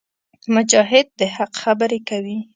مجاهد د حق خبرې کوي.